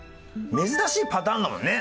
珍しいパターンだもんね。